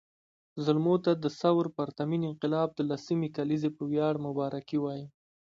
زلمو ته د ثور پرتمین انقلاب د لسمې کلېزې په وياړ مبارکي وایم